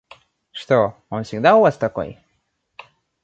Что, он всегда у вас такой?